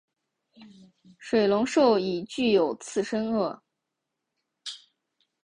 水龙兽已具有次生腭。